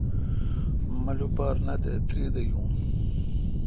مہ لوپار نہ تہ تیردہ نہ یون۔